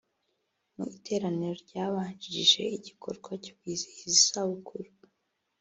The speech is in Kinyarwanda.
Mu iteraniro ryabanjirije igikorwa cyo kwizihiza isabukuru